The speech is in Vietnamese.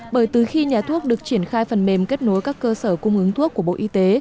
bởi từ khi nhà thuốc được triển khai phần mềm kết nối các cơ sở cung ứng thuốc của bộ y tế